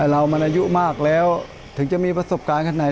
เรามันอายุมากแล้วถึงจะมีประสบการณ์ขนาดไหน